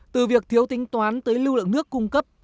từ việc thiếu tính toán tới lưu lượng nước cung cấp